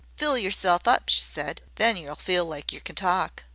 "Fill yerself up," she said. "Then ye'll feel like yer can talk."